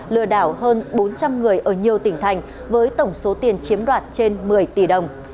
lừa đảo hơn bốn trăm linh người ở nhiều tỉnh thành với tổng số tiền chiếm đoạt trên một mươi tỷ đồng